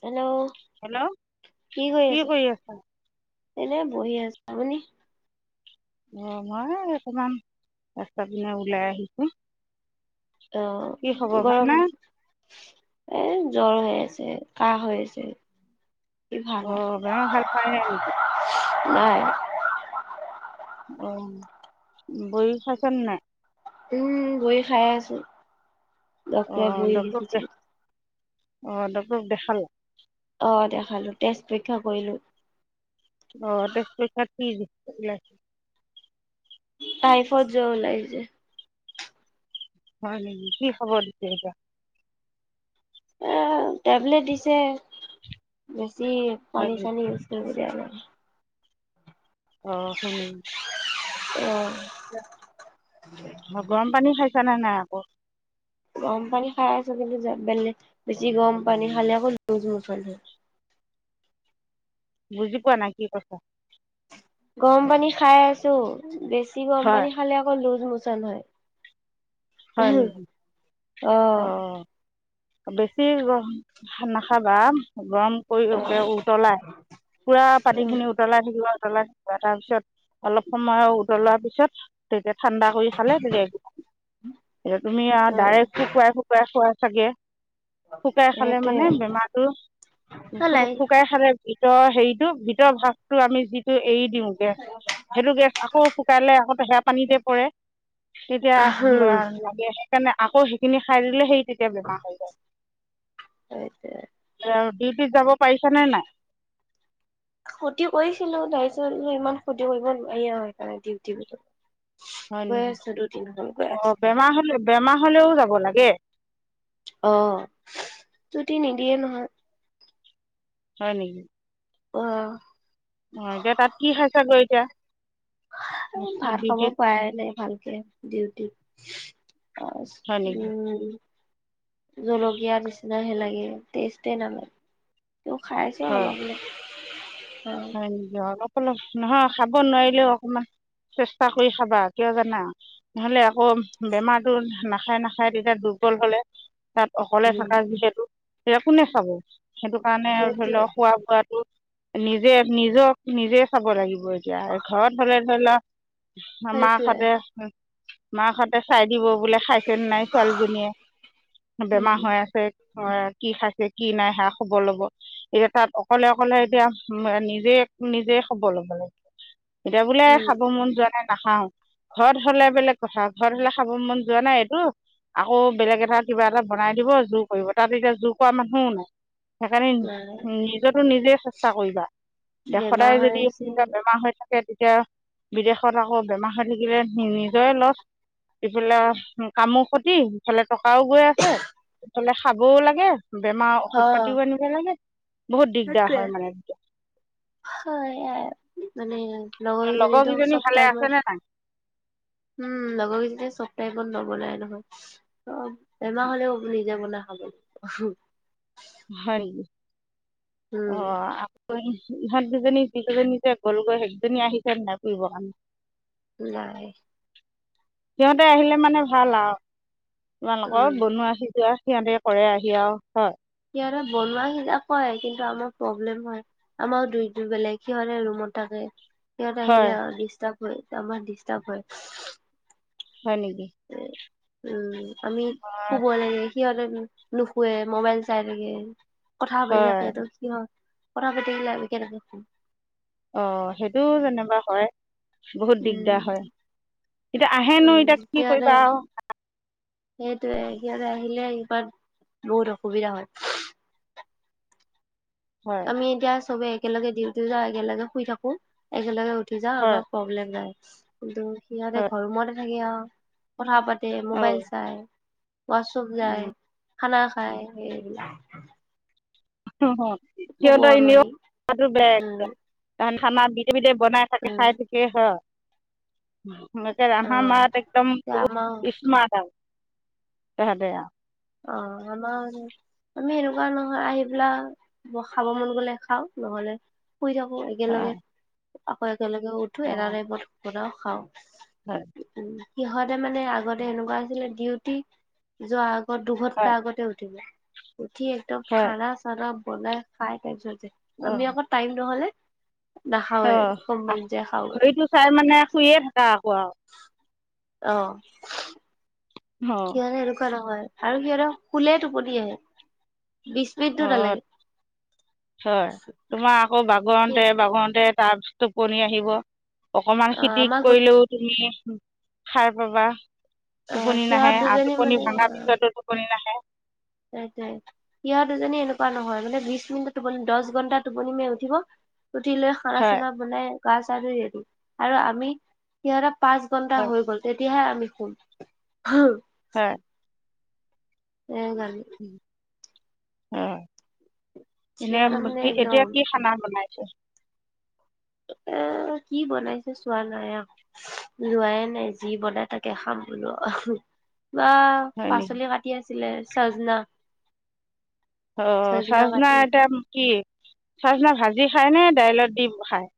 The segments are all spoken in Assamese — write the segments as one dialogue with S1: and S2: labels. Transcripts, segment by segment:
S1: হেল্ল'
S2: হেল্ল'
S1: কি কৰি আছা? এনেই বহি আছো। আপুনি?
S2: অ' মই অকমান ৰাস্তা পিনে ওলাই আহিছোঁ। কি খবৰ
S1: অ' গৰম
S2: ভালনে
S1: এ জ্বৰ হৈ আছে, কাহ হৈ আছে। কি ভাল
S2: অ' বেমাৰ ভাল পাই নাই নেকি?
S1: আৰু নাই।
S2: অ' বড়ি খাইছা নে নাই?
S1: উম বড়ি খাই আছোঁ। ডক্টৰে বড়ি লিখিছিলে।
S2: অ' ডক্টৰক দেখালা?
S1: অ' দেখালো, তেজ পৰীক্ষা কৰিলো।
S2: অ' তেজ পৰীক্ষাত কি [unintelligible] ওলাইছে?
S1: টাইফড জ্বৰ ওলাইছে।
S2: হয় নেকি কি খাব দিছে এতিয়া?
S1: এ টেবলেট দিছে বেছি
S2: হয়
S1: পানী
S2: নেকি
S1: চানী ইউজ নকৰি। [unintelligible]
S2: অ' হয় নেকি?
S1: অ
S2: গৰম পানী খাই চা নে নাই আকৌ?
S1: গৰম পানী খাই আছো কিন্তু বেলে বেছি গৰম পানী খালে আকৌ লুজ মোচন হয়।
S2: বুজি পোৱা নাই কি কৈছা?
S1: গৰম পানী খাই আছো। বেছি গৰম
S2: হয়
S1: পানী খালে আকৌ লুজ মোচন হয়।
S2: হয় নেকি?
S1: অহ।
S2: অঁ বেছি গৰম - হা - নাখাবা। গৰম কৰি [unintelligible] উতলাই পুৰা পানী
S1: উম,
S2: খিনি উতলাই থাকিবা উতলাই তাৰপিছত অলপ সময় উতলোৱাৰ পিছত তেতিয়া ঠাণ্ডা কৰি খালে তেতিয়া একো নহয় এতিয়া তুমি আৰু ডাইৰেক্ট [unintelligible] খোৱা চাগে? শুকাই খালে
S1: সেইটোৱে
S2: মানে বেমাৰটো,
S1: ভাল
S2: [unintelligible]
S1: লাগে।
S2: শুকাই খালে ভি ভিতৰৰ হেৰিটো ভিতৰৰ ভাগটো আমি যিটো এৰি দিওঁ গেছ সেইটো গেছ আকৌ শুকালে আকৌতো সেয়া পানীতে পৰে। এতিয়া ম লাগে সেইকাৰণে আকৌ সেইখিনি খাই দিলে সেই তেতিয়া বেমাৰ হৈ যায়। ডিউটিত যাব পাৰিছা নে নাই?
S1: ক্ষতি কৰিছিলোঁ তাৰপিছত ইমান ক্ষতি কৰিব নোৱাৰি আৰু সেইকাৰণে ডিউটি [unintelligible]
S2: হয়
S1: গৈ
S2: নেকি?
S1: আছো দুদিনখন গৈ আছো
S2: অ' বেমাৰ হলে - বেমাৰ হলেও যাব লাগে?
S1: অ' চুটি নিদিয়ে নহয়।
S2: হয় নেকি?
S1: অহ।
S2: অ' এতিয়া তাত কি খাইছাগৈ এতিয়া? নেশ্যনেল
S1: ভাত খাব
S2: ডিউটিত
S1: পৰাই নাই ভালকে ডিউটিত।
S2: হয়
S1: [unintelligible]
S2: নেকি
S1: উম। জলকীয়া নিচিনাহে লাগে টেষ্টে এ নালাগে। তেও খাই আছো
S2: হয়
S1: অলপ অলপ।
S2: হয় নেকি? অলপ অলপ নহয় খাব নোৱাৰিলেও অকমান চেষ্টা কৰি খাবা কিয় জানা নহলে আকৌ বেমাৰতো নাখায় নাখায় তেতিয়া দুৰ বল হলে। তাত অকলে
S1: উম
S2: থাকা যিহেতু, তেতিয়া কোনে চাব? সেইটো কাৰণে আৰু ধৰি
S1: সেইটোৱে
S2: ল খোৱা বোৱাটো নিজে নিজক নিজে চাব লাগিব এতিয়া ঘৰত হলে ধৰি ল মাক
S1: সেইটোৱে
S2: হতে, মাক হতে চাই দিব বোলে খাইছেনে নাই ছোৱালীজনীয়ে বেমাৰ
S1: উম
S2: হৈ আছে। হয় কি খাইছে কি নাই সেয়া খবৰ ল'ব এতিয়া তাত অকলে অকলে এতিয়া নিজে নিজে খবৰ ল'ব লাগিব এতিয়া বোলে
S1: উম
S2: খাব মন যোৱা নাই নাখাও। ঘৰত হলে বেলেগ কথা ঘৰত হলে খাব মন যোৱা নাই এইটো আকৌ বেলেগ এটা কিবা এটা বনাই দিব জোৰ কৰিব তাত এতিয়া জোৰ কৰা মানুহও নাই। সেইকাৰণে
S1: নাই
S2: নিজটো নিজে চেচ কৰিবা
S1: বেমাৰ
S2: সদায়
S1: হৈ
S2: যদি
S1: আছে
S2: বেমাৰ হৈ থাকে। তেতিয়া বিদেশত আকৌ বেমাৰ হৈ থাকিলে নিজৰে লছ। ইফালে কামো ক্ষতি ইফালে টকাও গৈ আছে সেফালে খাবও লাগে। বেমাৰ ঔষধ
S1: অ
S2: পাতিও আনিব লাগে। বহুত দিগদাৰ
S1: সেইটোৱে।
S2: হয় মানে।
S1: হয় আই মানে। লগৰ গিজনি ত
S2: লগৰকেইজনী
S1: চব
S2: ভালে
S1: টাইমত
S2: আছেনে নাই
S1: উম লগৰ গিজনীয়ে চব টাইমত নবনাই নহয় অ বেমাৰ হলেও নিজে বনাই খাব। [inaudible]
S2: হয় নেকি অ।
S1: উম
S2: ইহত দুজনী যিকেইজনী যে গ'লগৈ সেইকেইজনী আহিছে নাই ফুৰিব কাৰণে।
S1: নাই
S2: সিহঁতে আহিলে মানে ভাল আৰু তোমালোকৰ
S1: উম
S2: বনোৱা সিজোৱা। সিহঁতে কৰে আহি আৰু হয়।
S1: সিহঁতে বনোৱা সিজোৱা কৰে কিন্তু আমাৰ প্ৰব্লেম হয় আমাৰ দুইটো বেলেগ সিহঁতে ৰুমত থাকে সিহঁত
S2: হয়
S1: আহিলে ডিষ্টাৰ্ব হয় আমাৰ ডিষ্টাৰ্ব হয়।
S2: হয় নেকি।
S1: উম আমি
S2: অঁ
S1: শুব লাগে সিহঁতে নুশুৱে মোবাইল চাই থাকে। কথা পাতি
S2: হয়
S1: থাকেটো কি হয় কথা পাতি থাকিলে আমি কেনেকে।
S2: অ সেইটো যেনিবা হয়। বহুত দিগদাৰ
S1: উম
S2: হয় এতিয়া আহেনো এতিয়া কি কৰিবা আও।
S1: সেইটোৱে সিহঁতে আহিলে সিহত বহুত অসুবিধা হয়।
S2: হয়
S1: আমি এতিয়া সবে একেলগে ডিউটি যাও একেলগে শুই থাকো একেলগে উ। উঠি যা
S2: হয়
S1: আাৰ প্ৰব্লেম যায় কিন্তু সিহঁতে
S2: হয়
S1: ঘৰৰুমতে থাকে আৰু কথা পাতি। মোবাইল
S2: অঁ
S1: চাই ওৱাছপ যায় খানা খাই সেইবিলাক।
S2: উ
S1: শুব নোৱাৰি
S2: সিহঁতৰ বেয়
S1: উম
S2: থানাত বিধে বিধে। বনাই থাকে
S1: উম
S2: খাই থাকে হয়। মে আ
S1: অ
S2: মাৰ একদম
S1: এতিয়া আমাৰ
S2: বহুত স্মাত তেহেতে আও।
S1: এনেকুৱা নহয় আহি পেলা খাব মন গ'লে খাও নহলে। শুই থাকো একেলগে
S2: হয়
S1: আকৌ একেলগে উঠো এটা
S2: অ'
S1: টাইমত বনাও খাওঁ।
S2: হয়।
S1: সিহঁতে মানে আগতে এনেকুৱা আছিলে ডিউটি যোৱা। আত দুঘণ্টা
S2: হয়
S1: আগতে উঠি যায়। উঠি একদম
S2: হয়
S1: খানা চানা বনাই খাই তাৰপিছতে আমি
S2: অ'
S1: আকৌ টাইম নহ'লে। নাখাওৱে
S2: অ
S1: কোম্পানীত যাই খাওঁগে
S2: ঘৰিটো চাই মানে শুইয়ে থাকো আকৌ আও।
S1: অহ।
S2: অ'
S1: সিহঁতে এনেকুৱা নহয় আৰু সিহঁতৰক শুলে টোপনি আহে। বিশ মিনিটটো
S2: অ
S1: নালাগে
S2: হয় তোমাৰ। আকৌ
S1: কি
S2: বাগৰতে বাগৰতে তাৰপিছত টোপনি আহিব। অকমান
S1: অ
S2: খিতিক
S1: আমাৰ গোট
S2: কৰিলেও তুমি সাৰ পাবা।
S1: অ
S2: টোপনি
S1: সিহঁত
S2: নাহে আৰু
S1: দুজনী
S2: টোপনি ভাঙা পিছতো টোপনি নাহে।
S1: তাই তাই সিহঁত দুজনী এনেকুৱা নহয় মানে বিশ মিনিটত। টোপনি দছ ঘন্টা টোপনি মে উঠিব উঠি লৈ খানা
S2: হয়
S1: চানা বনাই। গা ছা ধুই ৰেডি আৰু আমি সিহঁতৰ পাঁচ ঘন্টা
S2: হয়
S1: হৈ গ'ল তে। তেতিয়াহে আমি শুম।
S2: হয়
S1: এজানে।
S2: অ এনে
S1: সিহঁতৰ মানে
S2: কি
S1: একদম
S2: এতিয়া কি খানা বনাই। [inaudible]
S1: এ কি বনাইছে চোৱা নাই আহ লোৱাইে নাই যি বনাই তাকে খাম। বলো বা
S2: হয় নেকি
S1: পাচলি কাটি আছিলে চাজনা। [unintelligible]
S2: অ চাজনা এতিয়া কি। চাচিনা ভাজি খায় নে দাইলত দি খায়। [unintelligible]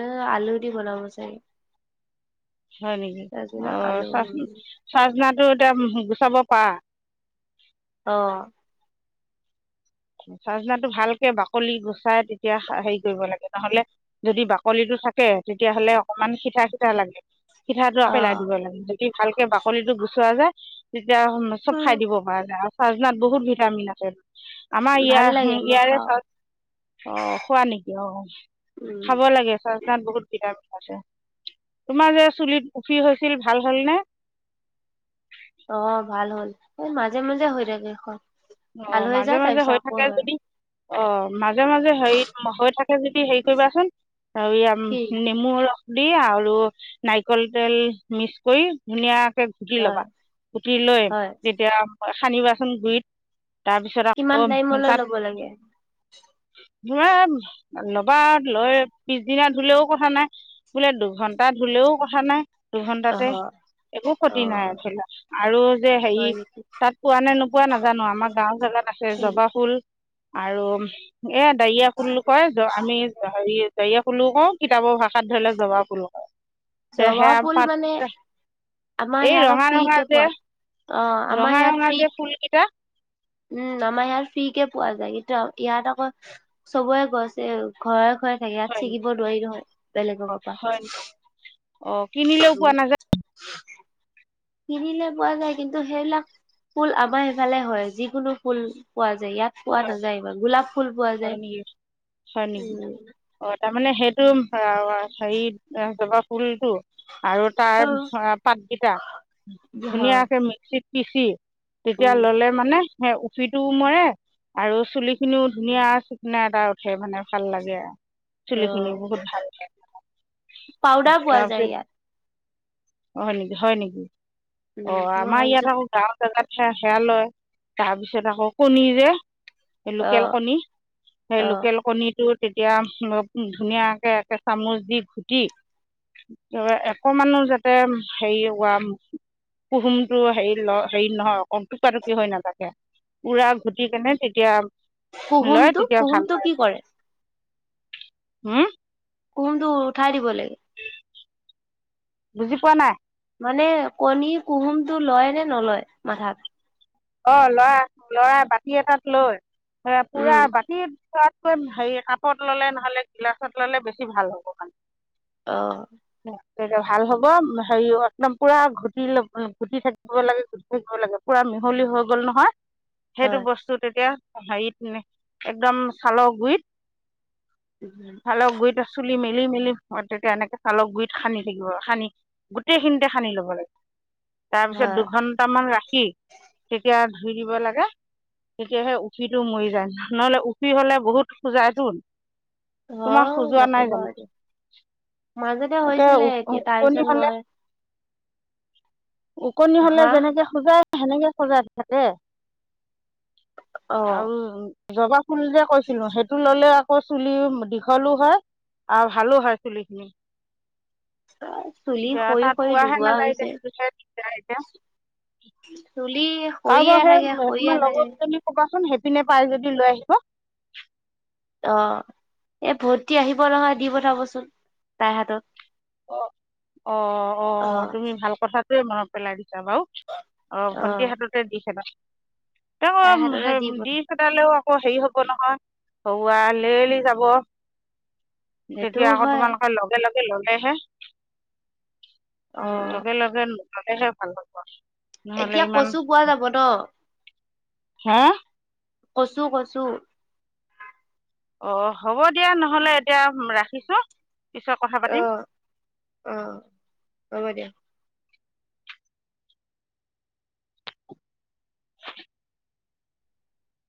S1: এ আলু দি বনাব চাগে।
S2: হয় নেকি অ
S1: চজনা আলু
S2: চ চাজনাটো এতিয়া। চব পা। [unintelligible]
S1: অ।
S2: চাজনাটো ভালকে বাকলি গুচাই তেতিয়া হেৰি কৰিব লাগে নহলে যদি বাকলিটো। [unintelligible] থাকে তেতিয়াহ'লে অকমান শিঠা শিঠা লাগে। পিঠাটো
S1: অ
S2: পেলাই দিব লাগে যদি ভালকে বাকলি গুচোৱা যায়। [unintelligible] এতিয়া চব খাই দিব পাৰে চাৰাত বহুত ভিটামিন আছে। [unintelligible] আমাৰ ইয়া
S1: ভাল লাগে মই
S2: ইয়াৰ।
S1: খাওঁ
S2: [unintelligible] অ খোৱা নেকি অ
S1: উম
S2: খাব লাগে চাত বহুত ভিটামিন [unintelligible] তোমাৰ যে চুলিত উফি হৈছিল ভাল হলনে।
S1: অ ভাল হ'ল এই মাজে মাজে হৈ থাকে খব।
S2: অ মাজে মাজে হৈ থাকে যদি। অ মাজে মাজে হেৰি হৈ থাকে যদি হেৰি কৰিবাচোন। আ
S1: কি
S2: নেমু ৰস দি আৰু নাৰিকল তেল মিক্স কৰি ধুনীয়া কোটি লবা
S1: হয়
S2: কোটি লৈ
S1: হয়
S2: তেতিয়া সানিবাচোন গুৰিত তাৰপিছত
S1: কিমান
S2: আকৌ
S1: টাইমলৈ
S2: তাত
S1: ল'ব লাগে
S2: ধৰা লবা লৈ পিছদিনা ধুলেও কথা নাই বোলে দুঘন্টা ধুলেও কথা নাই দুঘন্টাতে
S1: অহ
S2: একো
S1: অ
S2: ক্ষতি নাই থলে আৰু যে হেৰি
S1: হয় নেকি
S2: তাত পোৱা নে নোপোৱা নাজানো আমাক গাওঁ আছে
S1: কি
S2: জবা ফুল আৰু এ দাৰিয়া ফুল কয় আমি হেৰি দাৰি ফুলো কওঁ কিতাপৰ ভাষাত ধৰি লও জবা ফুল কওঁ
S1: জবা ফুল মানে আমাৰ
S2: এই
S1: সেয়াত ক
S2: ৰঙা
S1: ফ্ৰি
S2: ৰঙা
S1: কে
S2: যে
S1: পোৱা যায় অ আমাৰ
S2: ৰঙা
S1: সেইয়াত
S2: ৰঙা
S1: ফ্ৰী
S2: যে ফুলকেইটা
S1: উম আমাৰ ইয়াত ফ্ৰী কে পোৱা যায় ইয়াত আকৌ চবৰে গছে ঘৰে ঘৰে থাকে
S2: হয়
S1: ইয়াত
S2: নেকি
S1: ছিঙিব নোৱাৰি নহয় বেলেগৰ পৰা
S2: অ কিনিলেও পোৱা নাযায়
S1: কিনিলে পোৱা যায় কিন্তু সেইবিলাক ফুল আমাৰ সেফালে হয় যিকোনো ফুল পোৱা যায় ইয়াত পোৱা নাযায় ইমান গোলাপ ফুল পোৱা
S2: হয় নেকি হয় নেকি
S1: যায় উ
S2: অঁ তাৰমানে সেইটো হেৰিত জবা ফুল আৰু তাৰ
S1: উম
S2: পাতকিটা
S1: হয়
S2: ধুনীয়াকে মিক্সিত পিচি তেতিয়া
S1: উম
S2: ললে মানে সেই উফিটোও মৰে আৰু চুলি খিনিও ধুনীয়া চিকনা এটা উঠে মানে ভাল লাগে আ
S1: অ
S2: চুলিখিনি বহুত ভাল তাৰপিছ
S1: পাউদাৰ পোৱা যায় ইয়াত
S2: হয় নেকি হয় নেকি অ
S1: উম মই
S2: আমাৰ ইয়াত
S1: ভাবিছো
S2: আৰু গাঁও জেগাত সে সেয়া লয় তাৰপিছত আকৌ কণী যে
S1: অ
S2: লোকেল কণী সেই
S1: অ
S2: লোকেল কণীটোত তেতিয়া ধুনীয়াকে একে চামুচ দি ঘুটি একমানো যাতে হেৰি অকয়াম কুহুমটো হে হেৰি নহয় টুকুৰা টুকুৰি হৈ নাথাকে উৰা ঘুটি কেনে তেতিয়া লয়
S1: কুহুমটো
S2: তেতিয়া ভাল
S1: কুহুমটো
S2: পায়
S1: কি কৰে
S2: হম
S1: কুহুমটো উঠাই দিব লাগে
S2: বুজি পোৱা নাই
S1: মানে কণী কুহুমটো লয় নে নলয় মাথাত
S2: অ লৰা লৰাই বাতি এটাত লৈ পুৰা
S1: উম
S2: বাতিত লোৱাতকৈ হেৰি কাপত ল'লে নহ'লে গিলাচত ললে বেছি ভাল হ'ব
S1: অ
S2: ভাল হব হেৰি একদম পুৰা ঘুটি ঘুটি থাকিব লাগে ঘুটি থাকিব লাগে পুৰা মি হলি হৈ গ'ল নহয় সেইটো
S1: হয়
S2: বস্তু তেতিয়া হেৰিত একদম চালৰ গুৰিত
S1: উম,
S2: চালৰ গুৰিত চুলি মেলি মেলি মেলি তেতিয়া এনেকে চালক গুৰিত সানি থাকিব সানি গোটেই খিনিতে সানি ল'ব লাগে তাৰপিছত
S1: হয়
S2: দুঘন্টামান ৰাখি তিয়া ধুই দিব লাগে তেতিয়াহে উফিটো মৰি যায় নহলে উফি হলে বহুত খোজাই টোন তোমাক
S1: হয়
S2: খজোৱা নাই
S1: নকবা
S2: জানো
S1: আৰু মাজতে
S2: এতিয়া
S1: হৈছিলে এতিয়া
S2: ওকণি
S1: তাৰপিছত
S2: হলে
S1: মই
S2: ওকণি হলে
S1: হা
S2: যেনেকে সজাই সেনেকে সজাই থাকে
S1: অ
S2: আৰু জবা ফুল যে কৈছিলো সেইটো ললে আকৌ চুলি দীঘলো হয় আহ ভালো হয় চুলিখিনি।
S1: চুলি
S2: এতিয়া
S1: সৰি
S2: তাত
S1: সৰি
S2: পোৱাহে
S1: দুবুৱা
S2: নাযায় এতিয়া
S1: হৈছে
S2: সেইটো চাই এতিয়া।
S1: চুলি, সৰিয়ে
S2: কাৰোবাৰ সেই
S1: থাকে সৰিয়ে
S2: তোমাৰ
S1: থাকে
S2: লগৰজনী কবাচোন সেইপিনে পাই যদি লৈ আহিব।
S1: অ এ ভণ্টি আহিব নহয় দি পঠাবচোন তাইৰ হাতত।
S2: অ অ অ তুমি ভাল কথাটোয়ে মনত পেলাই দিছা বাৰু। অ ভণ্টি হাততে দি খেলা। ত
S1: তাইৰ হাতলৈ দি পঠাম
S2: দিছটালেও ক হেৰি হব নহয় ঘৰুৱা লেলি যাব। তেতিয়া
S1: সেইটোও
S2: আকৌ
S1: হয়
S2: তোমালোকে লগে লগে ললেহে।
S1: অ
S2: উ লগে লগে ন লগেহে ভাল হাব নহলে
S1: এতিয়া
S2: ইমান
S1: কচু পোৱা যাব ন
S2: হা
S1: কচু কচু
S2: অ হব দিয়া নহলে এতিয়া ৰাখিছো।
S1: আহ আহ হ'ব দিয়া।